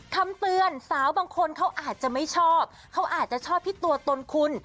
คำเตือนสาวบางคนเขาอาจจะไม่ชอบเขาอาจจะชอบที่ตัวตนคุณ